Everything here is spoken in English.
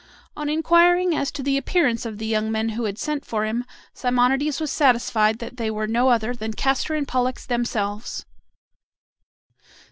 On inquiring as to the appearance of the young men who had sent for him, Simonides was satisfied that they were no other than Castor and Pollux themselves.